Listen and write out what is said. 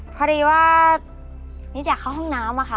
พอดีว่านิดอยากเข้าห้องน้ำอะค่ะ